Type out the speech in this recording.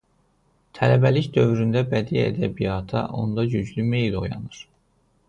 Tələbəlik dövründə bədii ədəbiyyata onda güclü meyl oyanır.